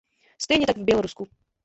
Stejně tak v Bělorusku.